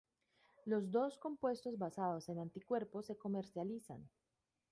Los dos compuestos basados en anticuerpos se comercializan.